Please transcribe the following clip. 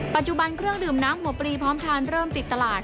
ปัจจุบันเครื่องดื่มน้ำหัวปรีพร้อมทานเริ่มติดตลาด